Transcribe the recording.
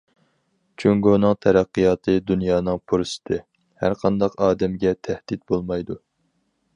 جۇڭگونىڭ تەرەققىياتى دۇنيانىڭ پۇرسىتى، ھەرقانداق ئادەمگە تەھدىت بولمايدۇ.